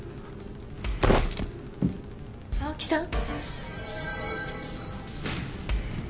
青木さん？